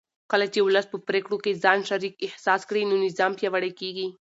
کله چې ولس په پرېکړو کې ځان شریک احساس کړي نو نظام پیاوړی کېږي